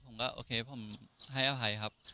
โอเคผมให้อภัยครับ